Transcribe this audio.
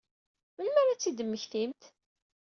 Melmi ara ad tt-id-temmektimt?